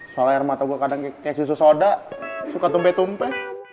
soalnya mata gua kadang kayak susu soda suka tumpe tumpe